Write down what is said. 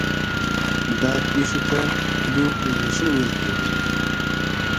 دا پېښې ته لیوفیلیزیشن ویل کیږي.